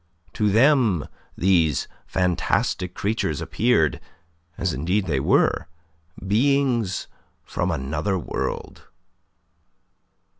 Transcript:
To them these fantastic creatures appeared as indeed they were beings from another world.